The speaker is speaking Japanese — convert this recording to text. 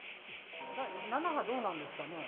７波どうなるんですかね。